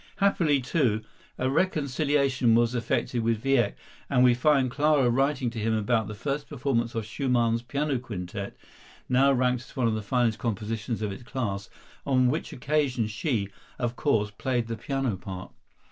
Happily, too, a reconciliation was effected with Wieck, and we find Clara writing to him about the first performance of Schumann's piano quintet (now ranked as one of the finest compositions of its class), on which occasion she, of course, played the piano part.